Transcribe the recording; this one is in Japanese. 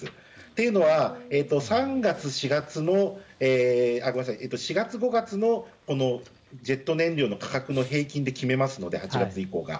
というのは４月、５月のこのジェット燃料の価格の平均で決めますので８月以降が。